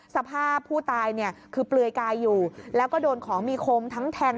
สภาพผู้ตายเนี่ยคือเปลือยกายอยู่แล้วก็โดนของมีคมทั้งแทง